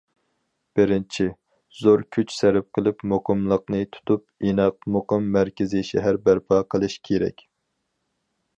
بىرىنچى، زور كۈچ سەرپ قىلىپ مۇقىملىقنى تۇتۇپ، ئىناق، مۇقىم مەركىزىي شەھەر بەرپا قىلىش كېرەك.